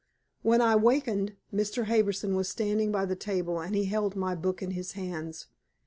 When I wakened Mr. Harbison was standing by the table, and he held my book in his hands.